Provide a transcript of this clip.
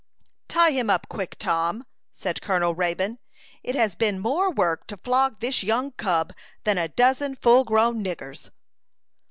"Tie him up quick, Tom," said Colonel Raybone. "It has been more work to flog this young cub than a dozen full grown niggers."